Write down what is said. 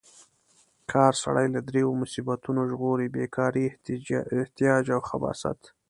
کار سړی له دریو مصیبتونو ژغوري: بې کارۍ، احتیاج او خباثت.